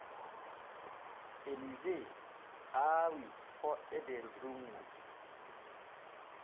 Elise aawi poɗɗe der dunŋu.